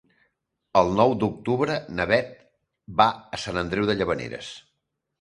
El nou d'octubre na Beth va a Sant Andreu de Llavaneres.